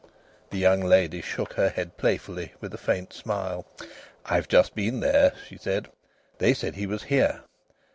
The young lady shook her head playfully, with a faint smile. "I've just been there," she said. "They said he was here."